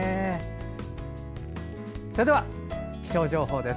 それでは気象情報です。